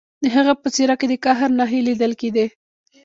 د هغه په څیره کې د قهر نښې لیدل کیدې